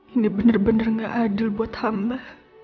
ini benar benar gak adil buat hamba